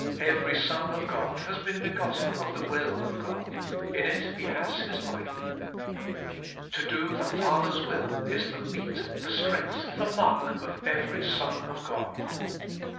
Every son of God has been begotten of the will of God : in it he has his life. To do the Father's will is the meat, the strength, the mark, of every son of God.